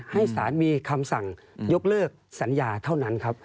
ให้สารมีคำสั่งยกเลิกสัญญาเท่านั้นครับ